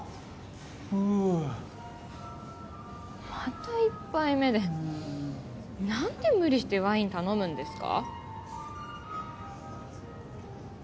ふうまた１杯目で何で無理してワイン頼むんですか？